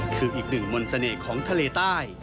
คืออีกหนึ่งมนต์เสน่ห์ของทะเลใต้